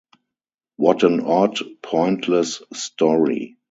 What an odd, pointless story!